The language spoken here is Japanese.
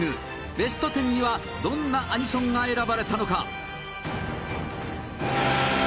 ベスト１０にはどんなアニソンが選ばれたのか？